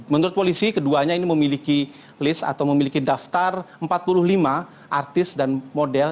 menurut polisi keduanya ini memiliki list atau memiliki daftar empat puluh lima artis dan model